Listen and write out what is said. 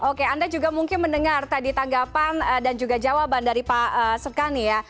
oke anda juga mungkin mendengar tadi tanggapan dan juga jawaban dari pak sukani ya